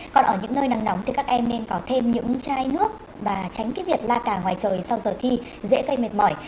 còn ở những nơi nắng nóng thì các em nên có thêm những chai nước và tránh cái việc la cả ngoài trời sau giờ thi dễ cây mệt mỏi